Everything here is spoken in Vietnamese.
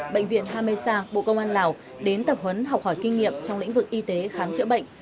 bệnh viện hame sa bộ công an lào đến tập huấn học hỏi kinh nghiệm trong lĩnh vực y tế khám chữa bệnh